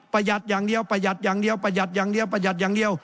หัดอย่างเดียวประหยัดอย่างเดียวประหยัดอย่างเดียวประหยัดอย่างเดียว